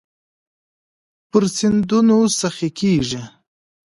پر سیندونو سخي کیږې